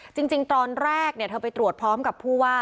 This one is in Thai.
จริงตอนแรกเธอไปตรวจพร้อมกับผู้ว่า